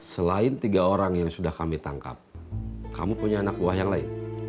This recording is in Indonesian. selain tiga orang yang sudah kami tangkap kamu punya anak buah yang lain